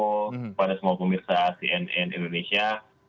kepada semua pemirsa cnn indonesia